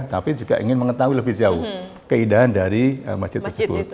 tapi juga ingin mengetahui lebih jauh keindahan dari masjid tersebut